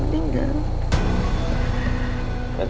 iya ini banget